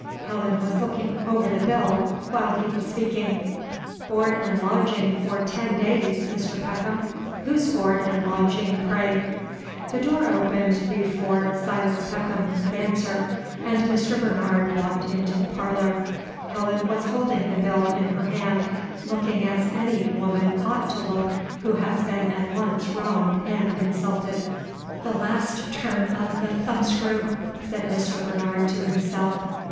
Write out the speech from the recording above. Helen was looking over the bill while he was speaking. "Board and lodging for ten days, Mr. Peckham, whose board and lodging, pray?" The door opened before Silas Peckham could answer, and Mr. Bernard walked into the parlor. Helen was holding the bill in her hand, looking as any woman ought to look who has been at once wronged and insulted. "The last turn of the thumbscrew!" said Mr. Bernard to himself.